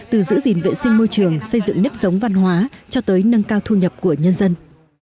từ giữ gìn vệ sinh môi trường xây dựng nếp sống văn hóa cho tới nâng cao thu nhập của nhân dân